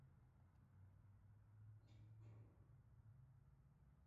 هېواد د باد ازادي ده.